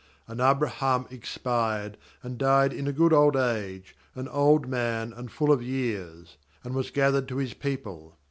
8And Abraham expired, and died in a good old age, an old man, and full of years; and was gathered to his people.